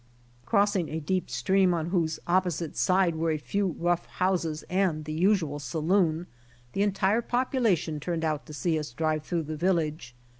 Crossing a deep stream on Avhose opposite side were a few rough houses and the usual saloon, the entire population turned out to see us drive through the village.